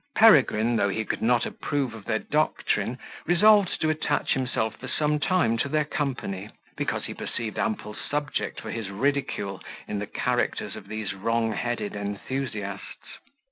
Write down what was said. Peregrine, though he could not approve of their doctrine, resolved to attach himself for some time to their company, because he perceived ample subject for his ridicule in the characters of these wrong headed enthusiasts.